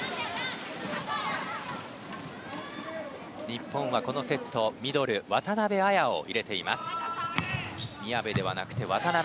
日本はこのセットミドル、渡邊彩を入れています。